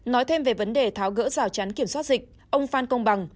nói thêm về vấn đề tháo gỡ rào chắn kiểm soát dịch ông phan công bằng